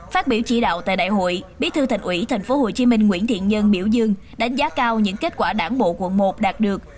phát biểu chỉ đạo tại đại hội bí thư thành ủy tp hcm nguyễn thiện nhân biểu dương đánh giá cao những kết quả đảng bộ quận một đạt được